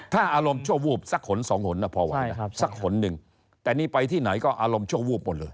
ถ้าอารมณ์ชั่ววูบสักหนสองหนพอไหวสักหนหนึ่งแต่นี่ไปที่ไหนก็อารมณ์ชั่ววูบหมดเลย